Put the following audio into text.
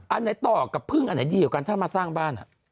อันไหนต่อกับพึ่งอันไหนดีกว่ากันถ้ามาสร้างบ้าน